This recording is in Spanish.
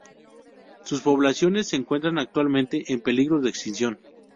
Sus poblaciones se encuentran actualmente en peligro de extinción.